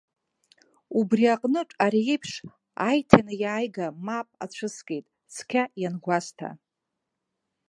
Убри аҟнытә, ари еиԥш аиҭанеиааига мап ацәыскит, цқьа иангәасҭа.